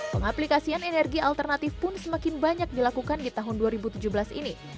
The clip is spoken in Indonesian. pengaplikasian energi alternatif pun semakin banyak dilakukan di tahun dua ribu tujuh belas ini